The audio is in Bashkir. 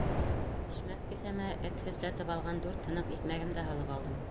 Бишмәт кеҫәмә «эт һөсләтеп» алған дүрт һыныҡ икмәгемде һалып алдым.